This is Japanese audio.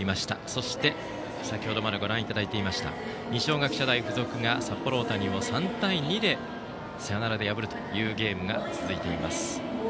そして先程までご覧いただいていました二松学舎大付属が札幌大谷を３対２で、サヨナラで破るというゲームが続いています。